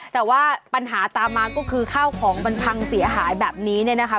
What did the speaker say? แต่ว่าปัญหาตามมาก็คือข้าวของมันพังเสียหายแบบนี้เนี่ยนะคะ